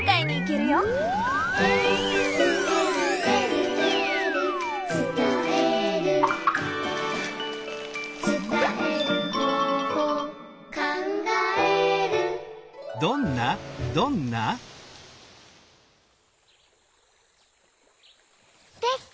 「えるえるえるえる」「つたえる」「つたえる方法」「かんがえる」できた！